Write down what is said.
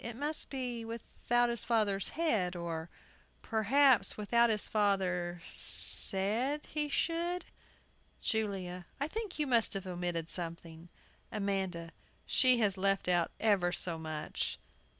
It must be "without his father's head," or, perhaps, "without his father said" he should. JULIA. I think you must have omitted something. AMANDA. She has left out ever so much!